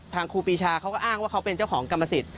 ครูปีชาเขาก็อ้างว่าเขาเป็นเจ้าของกรรมสิทธิ